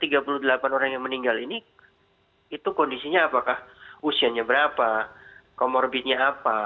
karena tiga puluh delapan orang yang meninggal ini itu kondisinya apakah usianya berapa comorbidnya apa